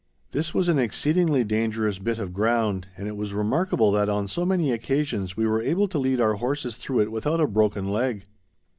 This was an exceedingly dangerous bit of ground, and it was remarkable that on so many occasions we were able to lead our horses through it without a broken leg.